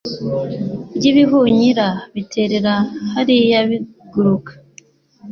by'ibihunyira biterera hariya biguruka